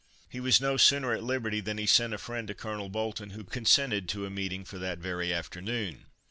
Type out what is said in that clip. He was no sooner at liberty than he sent a friend to Colonel Bolton, who consented to a meeting for that very afternoon.